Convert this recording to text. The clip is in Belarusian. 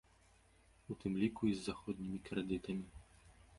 У тым ліку і з заходнімі крэдытамі.